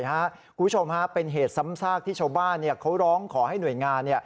คุณผู้ชมฮะเป็นเหตุซ้ำซากที่ชาวบ้านเขาร้องขอให้หน่วยงาน